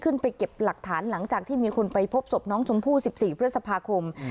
เก็บหลักฐานหลังจากที่มีคนไปพบศพน้องชมพู่๑๔พฤษภาคม